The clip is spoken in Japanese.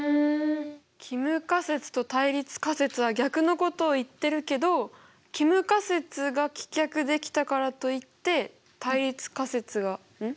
帰無仮説と対立仮説は逆のことを言ってるけど帰無仮説が棄却できたからといって対立仮説がうん？